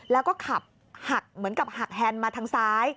แล้วก็ขับหักเหมือนกับหักแฮนด์มาทางซ้าย